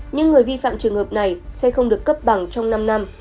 những người vi phạm trường hợp này sẽ không được cấp bằng trong năm năm